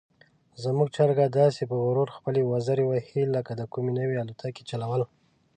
زموږ چرګه داسې په غرور خپلې وزرې وهي لکه د کومې نوې الوتکې چلول.